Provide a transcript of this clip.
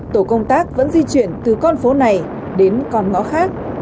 tổ công tác vẫn di chuyển từ con phố này đến con ngõ khác